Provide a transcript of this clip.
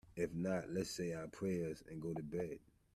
If not, let's say our prayers and go to bed.